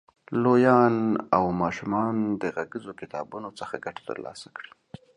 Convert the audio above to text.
لویان او ماشومان د غږیزو کتابونو څخه ګټه تر لاسه کړي.